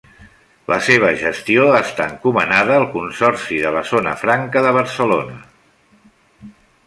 La seva gestió està encomanada al Consorci de la Zona Franca de Barcelona.